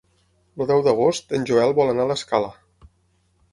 El deu d'agost en Joel vol anar a l'Escala.